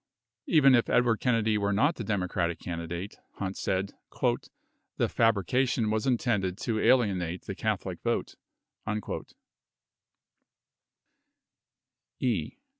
52 Even if Edward Kennedy were not the Democratic candidate, Hunt said, "the fabrication was intended to alienate the Catholic vote." 63 E.